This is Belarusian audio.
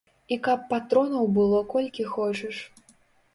І каб патронаў было колькі хочаш.